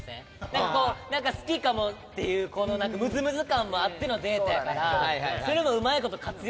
なんかこう好きかもっていうムズムズ感もあってのデートやからそういうのを。